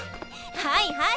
はいはい。